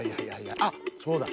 あっそうだい